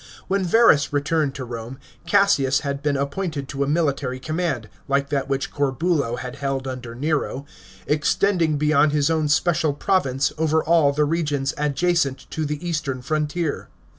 When Verus returned to Rome, Cassius had been appointed to a military command — like that which Corbulo had held under Nero — extending beyond his own special province over ail the regions adjacent to the eastern frontier.